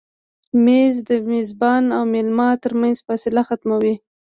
مېز د میزبان او مېلمه تر منځ فاصله ختموي.